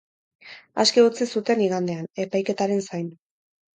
Aske utzi zuten igandean, epaiketaren zain.